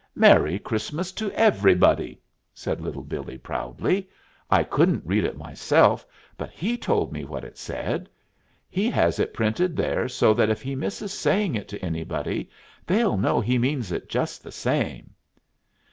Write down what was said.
"'Merry Christmas to Everybody,'" said Little Billee proudly. "I couldn't read it myself, but he told me what it said. He has it printed there so that if he misses saying it to anybody, they'll know he means it just the same."